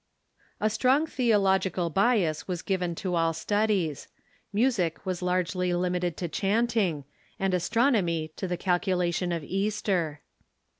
A strong theological bias was given to all the studies. Music was largely limited to chanting, and astronomy to the calcula tion of Easter.